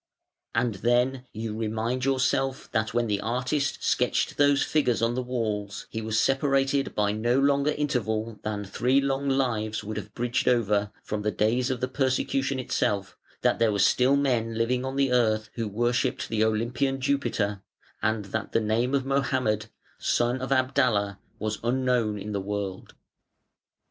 And then you remind yourself that when the artist sketched those figures on the walls, he was separated by no longer interval than three long lives would have bridged over, from the days of the persecution itself, that there were still men living on the earth who worshipped the Olympian Jupiter, and that the name of Mohammed, son of Abdallah, was unknown in the world.